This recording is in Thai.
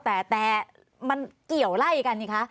แต่มันเกี่ยวไล่กันนี่คะ